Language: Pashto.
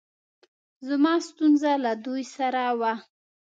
زما ستونره له دوی سره وه